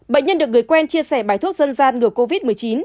bệnh nhân được người quen chia sẻ bài thuốc dân gian ngừa covid một mươi chín